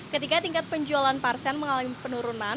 ketika tingkat penjualan parsen mengalami penurunan